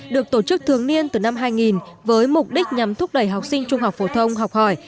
được tổ chức thường niên từ năm hai nghìn với mục đích nhằm thúc đẩy học sinh trung học phổ thông học hỏi